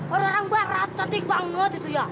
orang barat cantik banget itu ya